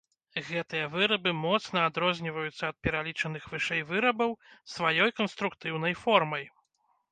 Гэтыя вырабы моцна адрозніваюцца ад пералічаных вышэй вырабаў сваёй канструктыўнай формай.